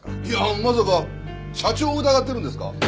いやまさか社長を疑ってるんですか？